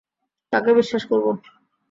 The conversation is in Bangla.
কাকে বিশ্বাস করব?